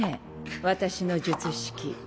私の術式。